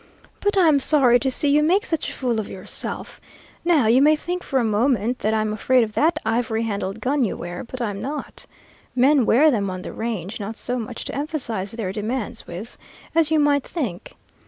But I'm sorry to see you make such a fool of yourself. Now, you may think for a moment that I'm afraid of that ivory handled gun you wear, but I'm not. Men wear them on the range, not so much to emphasize their demands with, as you might think.